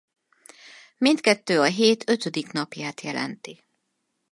Mindkettő a hét ötödik napját jelenti.